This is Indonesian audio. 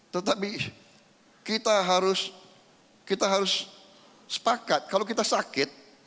tetapi kita harus sepakat kalau kita sakit